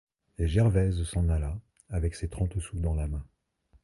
Et Gervaise s'en alla avec ses trente sous dans la main.